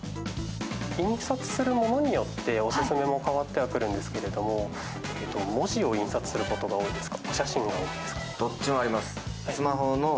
印刷するものによってオススメは変わってくるんですが、文字を印刷することが多いですか？